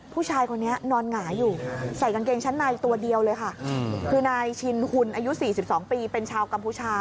ผู้ชายคนนี้นอนหงายอยู่ใส่กางเกงชั้นในตัวเดียวเลยค่ะคือนายชินหุ่นอายุ๔๒ปีเป็นชาวกัมพูชา